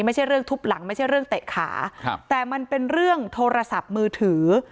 ไม่ใช่เรื่องทุบหลังไม่ใช่เรื่องเตะขาครับแต่มันเป็นเรื่องโทรศัพท์มือถือ